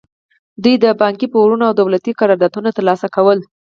دوی د بانکي پورونه او دولتي قراردادونه ترلاسه کول.